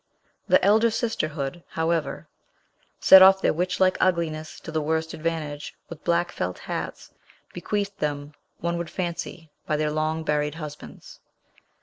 The elder sisterhood, however, set off their witch like ugliness to the worst advantage with black felt hats, bequeathed them, one would fancy, by their long buried husbands.